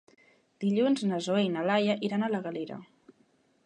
Dilluns na Zoè i na Laia iran a la Galera.